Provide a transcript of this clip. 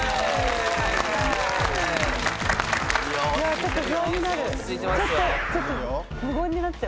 ちょっと不安になる。